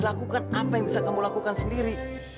lakukan apa yang bisa kamu lakukan sendiri